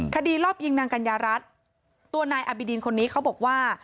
คดีรอบยิงนางกัญญารัฐตัวนายอบิดินคนนี้เขาบอกว่า